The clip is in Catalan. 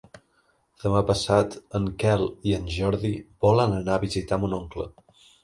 Demà passat en Quel i en Jordi volen anar a visitar mon oncle.